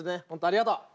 本当ありがとう。